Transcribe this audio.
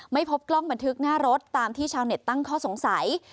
ไม่พบกล้องบันทึกหน้ารถตามที่ชาวเน็ตตั้งข้อสงสัย